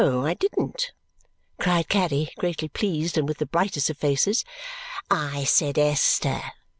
I didn't!" cried Caddy, greatly pleased and with the brightest of faces. "I said, 'Esther.'